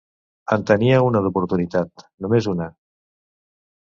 En tenia una d'oportunitat, només una.